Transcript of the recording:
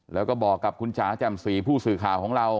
แล้วก็บอกกับคุณจ๋าแจ่มสีผู้สื่อข่าวของเรา